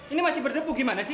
ini masih berdepu gimanasih